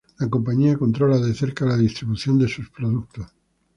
La compañía controla de cerca la distribución de sus productos.